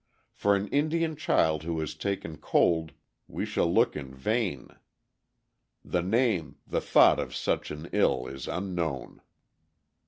For an Indian child who has taken cold we shall look in vain. The name, the thought of such an ill is unknown.